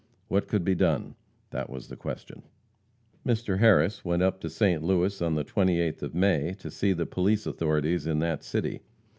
What could be done? That was the question. Mr. Harris went up to St. Louis on the 28th of May to see the police authorities in that city.